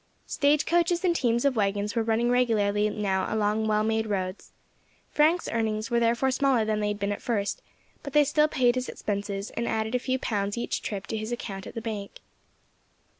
Stage coaches and teams of waggons were running regularly now along well made roads. Frank's earnings were therefore smaller than they had been at first, but they still paid his expenses, and added a few pounds each trip to his account at the bank.